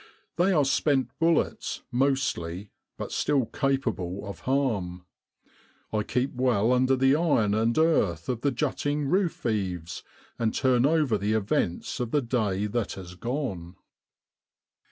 They are spent bullets, mostly, but still capable of harm. I keep well under the iron and earth of the jutting roof eaves, and turn over the events of the day that has gone.